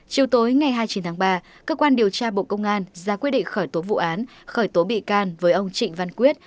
chiều tối ngày hai mươi chín tháng ba cơ quan điều tra bộ công an ra quyết định khởi tố vụ án khởi tố bị can với ông trịnh văn quyết